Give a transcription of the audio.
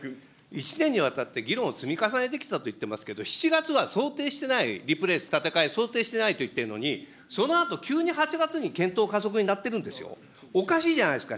１年にわたって、議論を積み重ねてきたと言ってますけれども、７月は想定していない、リプレイス、立て替え、想定してないと言っているのに、そのあと急に８月に検討加速になってるんですよ、おかしいじゃないですか。